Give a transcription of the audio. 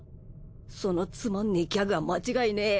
そのつまんねえギャグは間違いねえ。